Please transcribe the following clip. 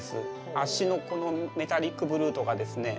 脚のこのメタリックブルーとかですね